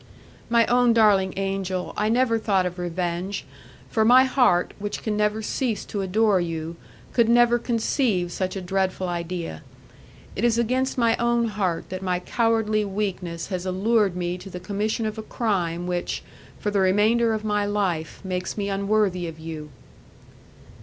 "My own darling angel, I never thought of revenge, for my heart, which can never cease to adore you, could never conceive such a dreadful idea. It is against my own heart that my cowardly weakness has allured me to the commission of a crime which, for the remainder of my life, makes me unworthy of you."